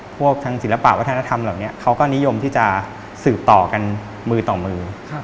พวกทางศิลปะวัฒนธรรมเหล่านี้เขาก็นิยมที่จะสืบต่อกันมือต่อมือ